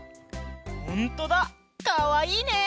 ほんとだかわいいね！